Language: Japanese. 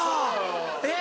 えっ。